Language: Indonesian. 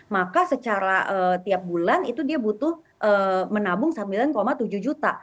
maka secara tiap bulan itu dia butuh menabung sembilan tujuh juta